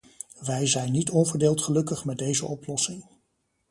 Wij zijn niet onverdeeld gelukkig met deze oplossing.